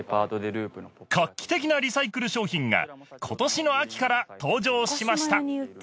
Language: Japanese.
画期的なリサイクル商品がことしの秋から登場しました！